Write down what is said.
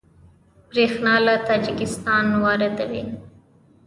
بریښنا له تاجکستان واردوي